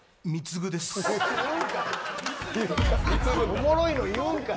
おもろいの言うんかい。